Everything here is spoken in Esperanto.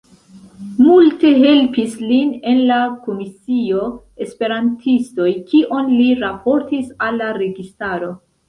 Multe helpis lin en la komisio Esperantistoj, kion li raportis al la registaro.